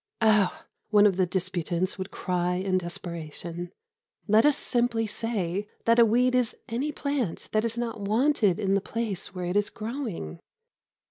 "Oh," one of the disputants would cry in desperation, "let us simply say that a weed is any plant that is not wanted in the place where it is growing."